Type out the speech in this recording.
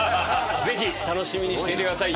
ぜひ楽しみにしていてください。